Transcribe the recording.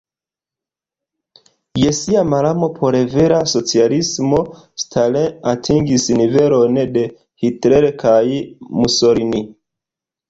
Je sia malamo por vera socialismo Stalin atingis nivelon de Hitler kaj Mussolini.